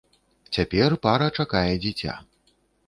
Цяпер пара чакае дзіця.